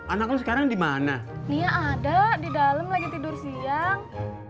anak lu sekarang dimana iya ada di dalam lagi tidur siang